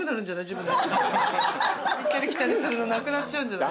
行ったり来たりするのなくなっちゃうんじゃない？